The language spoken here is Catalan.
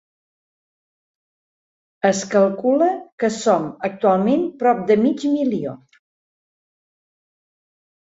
Es calcula que són actualment prop de mig milió.